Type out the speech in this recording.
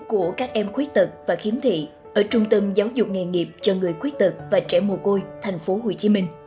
của các em khuyết tật và khiếm thị ở trung tâm giáo dục nghề nghiệp cho người khuyết tật và trẻ mồ côi tp hcm